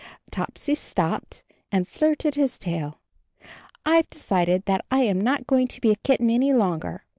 Topsy stopped, and flirted his tail. "I've decided that I am not going to be a kitten any longer.